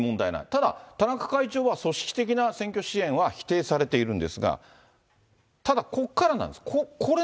ただ、田中会長は組織的な選挙支援は否定されているんですが、ただ、ここからなんです。